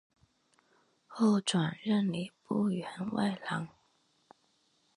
后转任礼部员外郎。